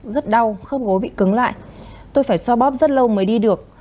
rất đau khớp gối bị cứng lại tôi phải so bóp rất lâu mới đi được